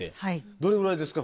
どれぐらいですか？